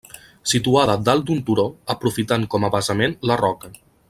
Situada dalt d'un turó, aprofitant com a basament la roca.